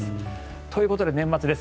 ということで年末です。